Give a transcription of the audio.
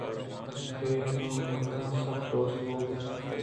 کہ آ مردماں سک دوست بُوئگءَ اِنت